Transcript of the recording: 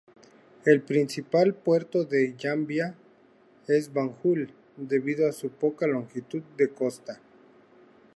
El principal puerto de Gambia es Banjul, debido a su poca longitud de costa.